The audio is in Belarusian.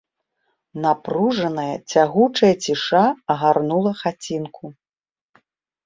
Напружаная, цягучая ціша агарнула хацінку.